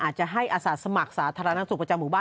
อาจจะให้อาสาสมัครสาธารณสุขประจำหมู่บ้าน